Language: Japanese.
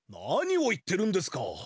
何を言ってるんですか。